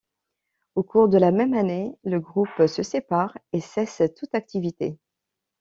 Au cours de la même année, le groupe se sépare et cesse toute activité.